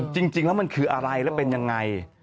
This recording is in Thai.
จริงแล้วมันคืออะไรแล้วเป็นยังไง